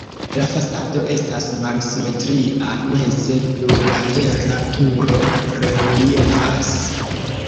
La fasado estas malsimetria, meze plurlatera turo reliefas.